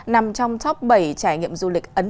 nằm trong top bảy trải nghiệm du lịch ẩn